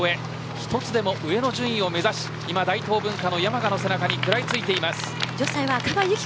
一つでも上の順位を目指し大東文化の山賀の背中に食らい付いています。